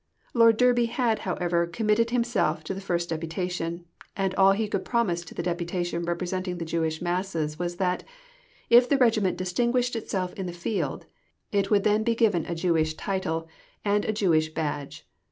Lord Derby had, however, committed himself to the first deputation, and all he could promise to the deputation representing the Jewish masses was that, if the Regiment distinguished itself in the Field, it would then be given a Jewish title and a Jewish badge.